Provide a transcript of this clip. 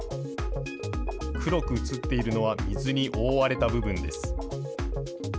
黒く写っているのは水に覆われた部分です。